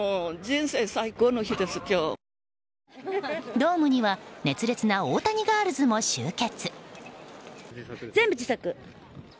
ドームには熱烈な大谷ガールズも集結。